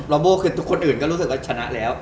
โบ้คือคนอื่นก็รู้สึกว่าชนะแล้ว